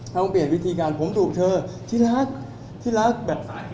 ต้องเปลี่ยนวิธีการผมดุเธอที่รักที่รักแบบ